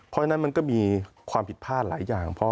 เพราะฉะนั้นมันก็มีความผิดพลาดหลายอย่าง